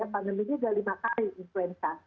pandemi ini sudah lima kali influenza